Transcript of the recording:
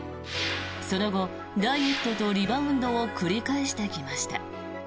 その後ダイエットとリバウンドを繰り返してきました。